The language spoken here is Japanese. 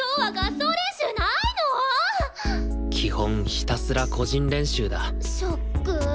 ひたすら個人練習だショック！